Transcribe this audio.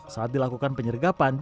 saat dilakukan penyergapan